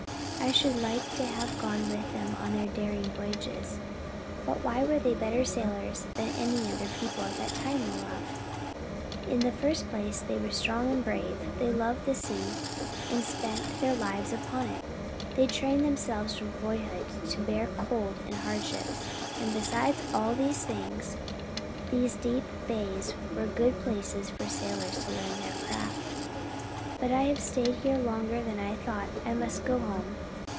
"I should like to have gone with them on their daring voyages. But why were they better sailors than any other people at that time, Olaf?" "In the first place, they were strong and brave. They loved the sea and spent their lives upon it. They trained themselves from boyhood to bear cold and hardships. And, besides all these things, these deep bays were good places for sailors to learn their craft. "But I have stayed here longer than I thought; I must go home.